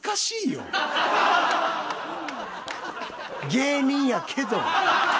芸人やけど。